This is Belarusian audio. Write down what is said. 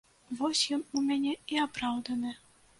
Вось ён у мяне і апраўданы.